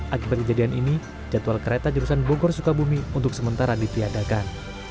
akibat kejadian ini jadwal kereta jurusan bogor sukabumi untuk sementara ditiadakan